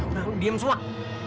udah lu diem suak